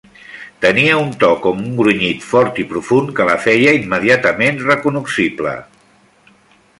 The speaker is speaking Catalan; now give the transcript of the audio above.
Tenia un to com un grunyit fort i profund que la feia immediatament recognoscible.